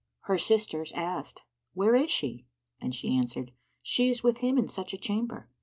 Her sisters asked, "Where is she?"; and she answered, "She is with him in such a chamber."